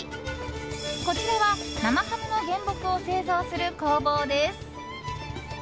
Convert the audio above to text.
こちらは生ハムの原木を製造する工房です。